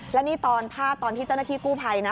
และนี่ตอนภาพตอนที่เจ้าหน้าที่กู้ภัยนะ